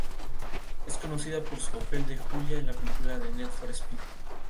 Es conocida por su papel de Julia en la película "Need for Speed".